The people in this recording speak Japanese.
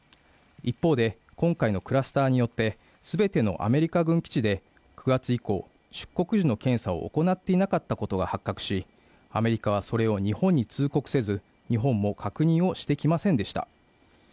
一方で今回のクラスターによって全てのアメリカ軍基地で９月以降出国時の検査を行っていなかったことが発覚しアメリカはそれを日本に通告せず日本も確認をしてきませんでした